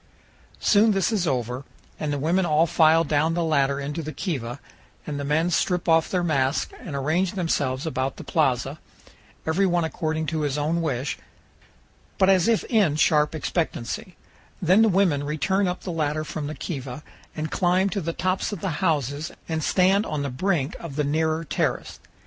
Soon this is over, and the women all file down the ladder into the kiva and the men strip off their masks and arrange themselves about the plaza, every one according to his own wish, but as if in sharp expectancy; then the women return up the ladder from the kiva and climb to the tops of the houses and stand on the brink of the nearer terrace.